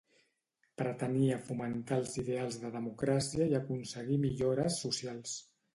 Pretenia fomentar els ideals de democràcia i aconseguir millores socials.